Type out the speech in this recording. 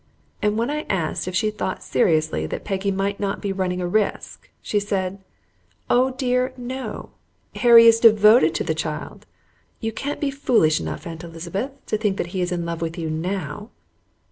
And when I asked if she thought seriously that Peggy might not be running a risk, she said: "Oh dear, no; Harry is devoted to the child. You can't be foolish enough. Aunt Elizabeth, to think that he is in love with you NOW?"